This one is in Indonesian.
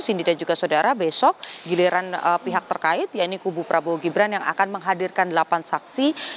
sindi dan juga saudara besok giliran pihak terkait yaitu kubu prabowo gibran yang akan menghadirkan delapan saksi